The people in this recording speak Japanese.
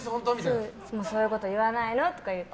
そういうこと言わないの！とか言って。